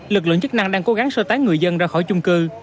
lực lượng chức năng đang cố gắng sơ tán người dân ra khỏi chung cư